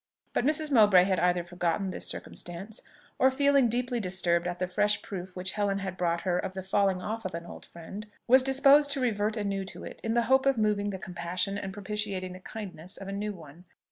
But Mrs. Mowbray had either forgotten this circumstance, or, feeling deeply disturbed at the fresh proof which Helen had brought her of the falling off of an old friend, was disposed to revert anew to it, in the hope of moving the compasssion and propitiating the kindness of a new one.